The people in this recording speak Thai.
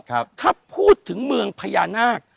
ถ้าพูดถึงเมืองพญานาค